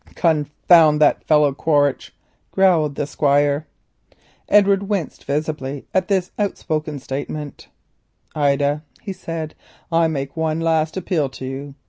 "Confound that Quaritch," growled the Squire beneath his breath. Edward winced visibly at this outspoken statement. "Ida," he said, "I make one last appeal to you.